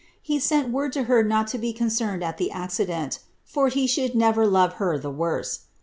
He sent word to her not to be concerned at the accident, for he should never love her the worse.